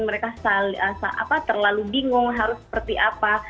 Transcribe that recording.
mereka terlalu bingung harus seperti apa